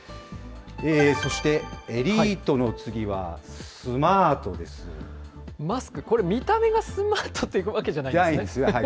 そしてエリートの次はスマートでマスク、これ、見た目がスマートというわけじゃないんですね。